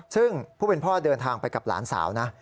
ซึ่งผู้เป็นพ่อเดินทางไปกับหลานสาวนะ